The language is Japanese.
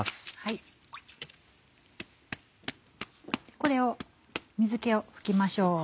これを水気を拭きましょう。